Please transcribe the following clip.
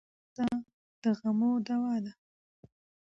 د مېلو فضا د غمو دوا ده.